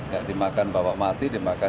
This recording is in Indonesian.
ya dimakan bapak mati dimakan